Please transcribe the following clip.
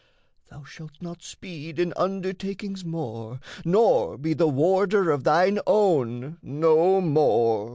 Thou shalt not speed in undertakings more, Nor be the warder of thine own no more.